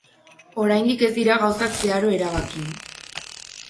Oraindik ez dira gauzak zeharo erabaki.